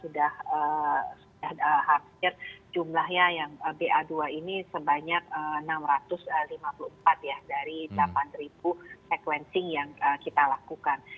sudah hampir jumlahnya yang ba dua ini sebanyak enam ratus lima puluh empat ya dari delapan sequencing yang kita lakukan